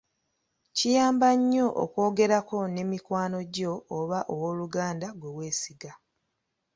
Kiyamba nnyo okwogerako ne mikwano gyo oba owooluganda gwe weesiga.